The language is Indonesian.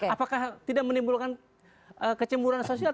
apakah tidak menimbulkan kecemburan sosial